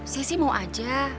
saya sih mau aja